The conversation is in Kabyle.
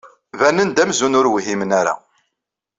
Banen-d amzun ur whimen ara.